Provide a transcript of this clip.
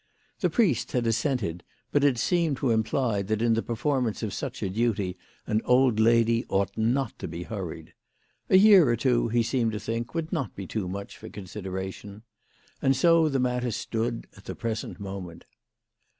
The priest had assented, but had seemed to imply that in the performance of such a duty an old lady ought not to be hurried. A year or two, he seemed to think, would not be too much for con sideration. And so the matter stood at the present moment.